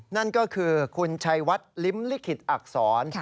นั่นก็คือคุณชัยวัดลิ้มลิขิตอักษร